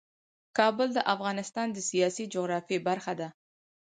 کابل د افغانستان د سیاسي جغرافیه برخه ده.